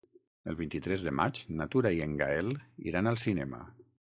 El vint-i-tres de maig na Tura i en Gaël iran al cinema.